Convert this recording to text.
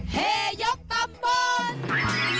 เฮยกัมบล